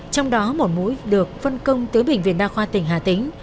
trong đó một mũi được phân công tới bệnh viện đa khoa tỉnh hà tĩnh